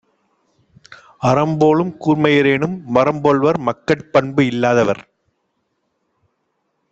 அரம்போலும் கூர்மையரேனும், மரம்போல்வர் மக்கட்பண்பு இல்லாதவர்.